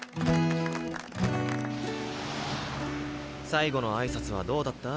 最後の挨拶はどうだった？